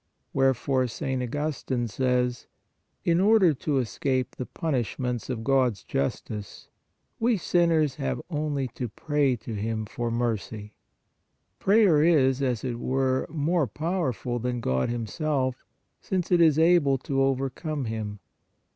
Wherefore St. Augustine says :" In order to escape the punish ments of God s justice, we sinners have only to pray to Him for mercy." Prayer is, as it were, more powerful than God Himself, since it is able to over come Him.